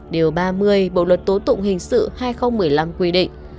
điều ba mươi bộ luật tố tụng hình sự hai nghìn một mươi năm quy định